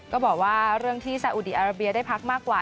ก็บอกว่าเรื่องที่ซาอุดีอาราเบียได้พักมากกว่า